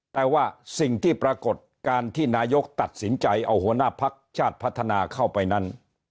แต่ว่าสิ่งที่ปรากฏการณ์ที่นายกตัดสินใจเอาหัวหน้าพักชาติพัฒนาเข้าไปนั้น